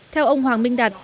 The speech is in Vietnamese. theo ông hoàng minh đạt